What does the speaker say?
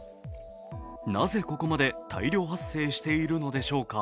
なぜここまで大量発生しているのでしょうか。